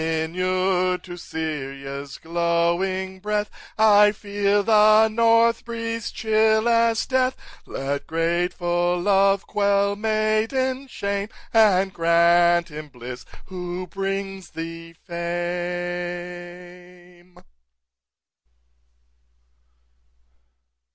Inured to Syria's glowing breath, I feel the north breeze chill as death; Let grateful love quell maiden shame, And grant him bliss who brings thee fame."